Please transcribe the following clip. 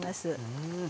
うん。